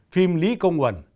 phim lý công uẩn